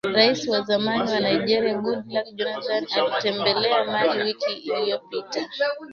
raisi wa zamani wa Nigeria Goodluck Johnathan alitembelea Mali wiki iliyopita